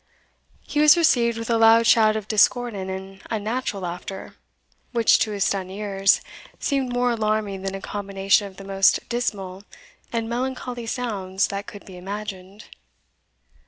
He was received with a loud shout of discordant and unnatural laughter, which, to his stunned ears, seemed more alarming than a combination of the most dismal and melancholy sounds that could be imagined.